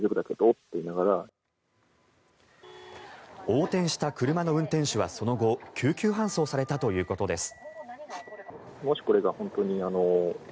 横転した車の運転手はその後救急搬送されたということです。